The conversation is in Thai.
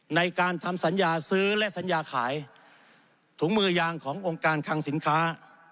ในการทำสัญญาซื้อและสัญญาขายถุงมือยางขององค์การคังสินค้า